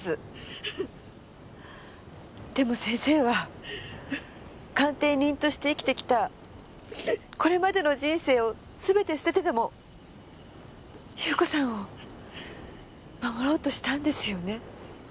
でも先生は鑑定人として生きてきたこれまでの人生を全て捨ててでも優子さんを守ろうとしたんですよね。